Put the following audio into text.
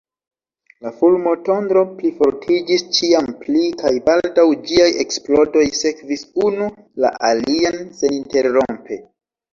La fulmotondro plifortiĝis ĉiam pli, kaj baldaŭ ĝiaj eksplodoj sekvis unu la alian seninterrompe.